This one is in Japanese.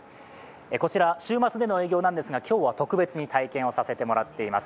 こちら、週末での営業なんですが今日は特別に体験させてもらっています。